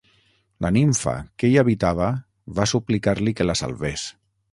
La nimfa que hi habitava va suplicar-li que la salvés.